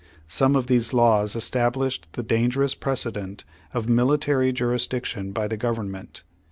Some of these laws established the dangerous precedent of military jurisdiction by the Government.